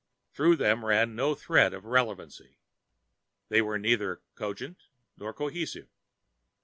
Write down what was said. Through them ran no thread of relevancy. They were neither cogent nor cohesive.